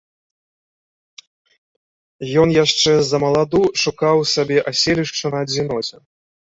Ён яшчэ ззамаладу шукаў сабе аселішча на адзіноце.